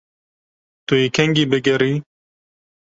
Tu yê kengî bigerî?